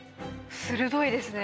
鋭いですね